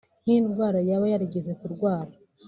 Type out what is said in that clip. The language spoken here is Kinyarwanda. nk’indwara yaba yarigeze kurwara